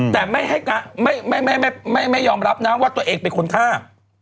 แต่ไม่ยอมรับนะว่าตัวเองเป็นคนฆ่า